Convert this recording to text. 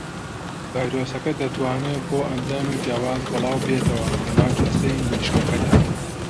ڤایرۆسەکە دەتوانێت بۆ ئەندامی جیاواز بڵاوببێتەوە لە ناو جەستەی مریشکەکەدا.